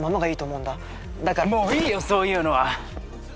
もういいよそういうのは！